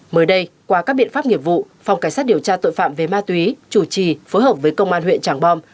mới đây qua các biện pháp nghiệp vụ phòng cảnh sát điều tra tội phạm về ma túy chủ trì phối hợp với công an huyện tràng bom